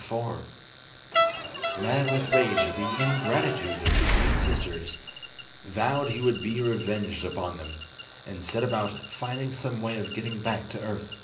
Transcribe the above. Meanwhile Paul, mad with rage at the ingratitude of the three sisters, vowed he would be revenged upon them, and set about finding some way of getting back to earth.